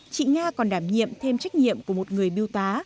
chị nga còn đảm nhiệm thêm trách nhiệm của một người biêu tá